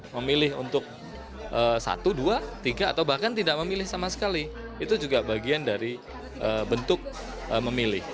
memilih untuk satu dua tiga atau bahkan tidak memilih sama sekali itu juga bagian dari bentuk memilih